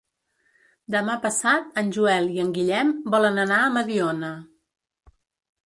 Demà passat en Joel i en Guillem volen anar a Mediona.